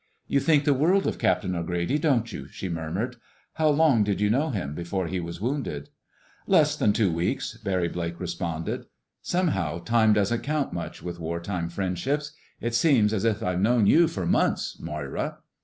"You think the world of Captain O'Grady, don't you?" she murmured. "How long did you know him before he was wounded?" "Less than two weeks," Barry Blake responded. "Somehow time doesn't count much with wartime friendships. It seems as if I'd known you for months—Moira."